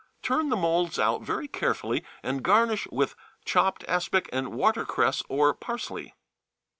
Turn the moulds out very carefully, and garnish with chopped aspic and watercress or parsley.